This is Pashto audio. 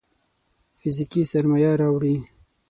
فزيکي سرمايه راوړي.